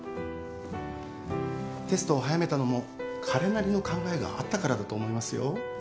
テストを早めたのも彼なりの考えがあったからだと思いますよ。